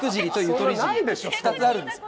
２つあるんですよ